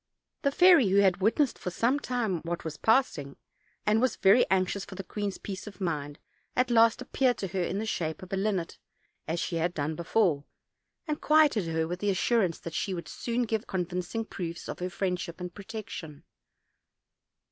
The fairy, who had witnessed for some time what waa passing, and was very anxious for the queen's peace of mind, at last appeared to her in the shape of a linnet, as she had done before; and quieted her with the assur ance that she would soon give her convincing proofs of her friendship and protection.